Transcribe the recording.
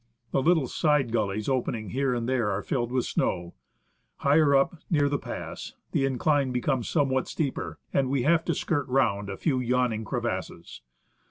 The little side gullies opening here and there are filled with snow, 115 THE ASCENT OF MOUNT SI". ELIAS Higher up, near the pass, the incline becomes somewhat steeper, and we have to skirt round a few yawning crevasses.